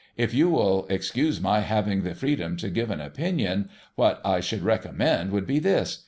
' If you will excuse my having the freedom to give an opinion, what I should recommend would be this.